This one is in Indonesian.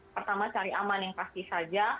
pertama cari aman yang pasti saja